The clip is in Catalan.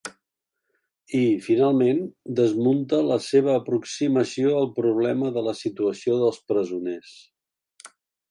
I, finalment, desmunta la seva aproximació al problema de la situació dels presoners.